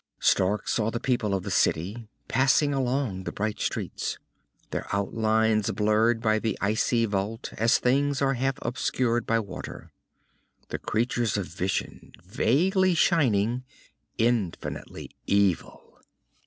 Stark saw the people of the city passing along the bright streets, their outlines blurred by the icy vault as things are half obscured by water. The creatures of vision, vaguely shining, infinitely evil.